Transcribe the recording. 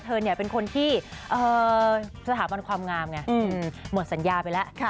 เธอเป็นคนที่สถาบันความงามไงหมดสัญญาไปแล้ว